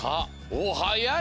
おっはやい！